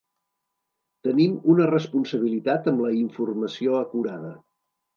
Tenim una responsabilitat amb la informació acurada.